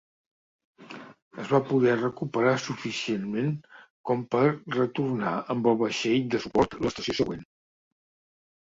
Es va poder recuperar suficientment com per retornar amb el vaixell de suport l'estació següent.